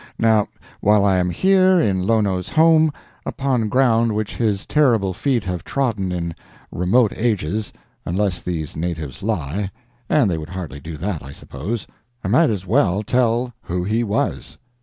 Now, while I am here in Lono's home, upon ground which his terrible feet have trodden in remote ages—unless these natives lie, and they would hardly do that, I suppose—I might as well tell who he was.